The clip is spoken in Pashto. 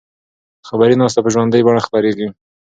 خبري ناسته په ژوندۍ بڼه خپریږي.